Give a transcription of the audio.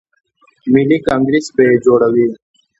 ملي کانګریس به یې جوړوي.